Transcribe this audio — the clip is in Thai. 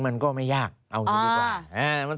มันก็ไม่ยากเอายังดีกว่า